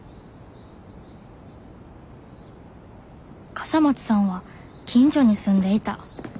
笠松さんは近所に住んでいた。